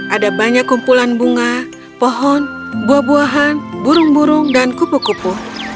ada banyak kumpulan bunga pohon buah buahan burung burung dan kupu kupu